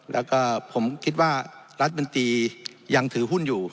แล้วก็ผมคิดว่ารัฐมนตรียังถือหุ้นอยู่